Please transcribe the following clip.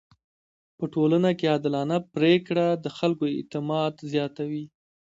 په ټولنه کي عادلانه پریکړه د خلکو اعتماد زياتوي.